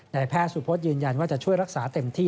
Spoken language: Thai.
แพทย์สุพธยืนยันว่าจะช่วยรักษาเต็มที่